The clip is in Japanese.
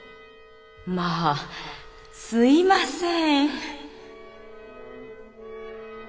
まあすいません。